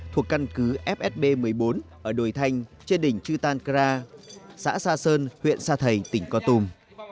thuộc căn cứ fsb một mươi bốn ở đồi thanh trên đỉnh chư tan kra xã sa sơn huyện sa thầy tỉnh con tum